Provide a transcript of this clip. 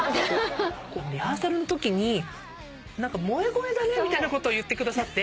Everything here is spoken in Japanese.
リハーサルのときに「萌え声だね」みたいなことを言ってくださって。